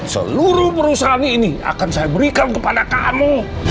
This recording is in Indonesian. seluruh perusahaan ini akan saya berikan kepada kamu